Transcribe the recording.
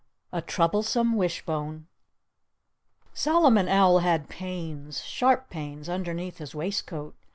X A Troublesome Wishbone Solomon Owl had pains—sharp pains—underneath his waistcoat.